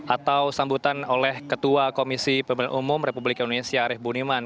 atau sambutan oleh ketua komisi pemilihan umum republik indonesia arief budiman